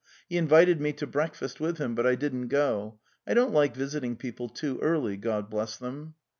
He in vited me to breakfast with him, but I didn't go. I don't like visiting people too early, God bless them!